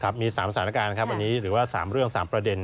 มี๓สถานการณ์ครับวันนี้หรือว่า๓เรื่อง๓ประเด็น